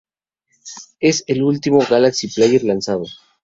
Es el último Galaxy Player lanzado.